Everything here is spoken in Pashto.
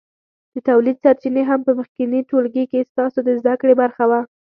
د تولید سرچینې هم په مخکېني ټولګي کې ستاسو د زده کړې برخه وه.